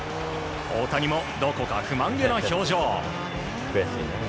大谷もどこか不満げな表情。